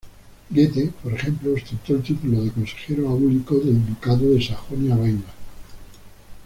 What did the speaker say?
Goethe, por ejemplo, ostentó el título de consejero áulico del ducado de Sajonia-Weimar.